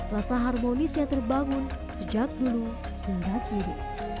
rasa harmonis yang terbangun sejak dulu hingga kini